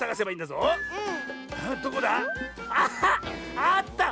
あった！